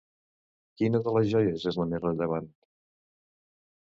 Quina de les joies és la més rellevant?